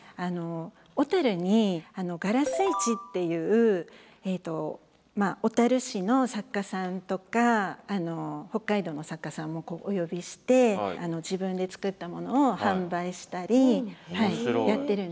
小にがらす市っていう小市の作家さんとか北海道の作家さんもお呼びして自分で作ったものを販売したりやってるんですけど。